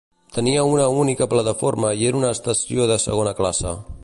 Tenia una única plataforma i era una estació de segona classe.